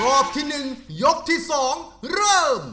รอบที่๑ยกที่๒เริ่ม